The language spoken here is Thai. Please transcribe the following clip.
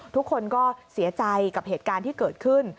ทุกคนก็เสียใจกับเหตุการณ์ที่เกิดขึ้น